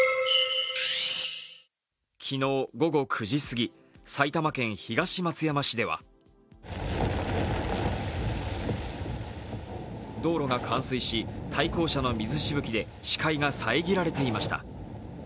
昨日午後９時すぎ、埼玉県東松山市では道路が冠水し、対向車の水しぶきで視界が遮られていました。